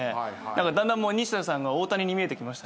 だんだん西田さんが大谷に見えてきました。